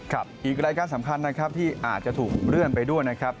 อีกรายการสำคัญนะครับที่อาจจะถูกเลื่อนไปด้วยนะครับ